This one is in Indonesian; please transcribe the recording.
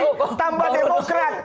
belum lagi tambah demokrat